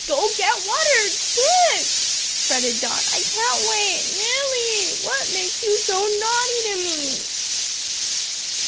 go get water, quick!" fretted Don, "I can't wait, Milly, what makes you so naughty to me?"